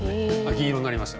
銀色になりました。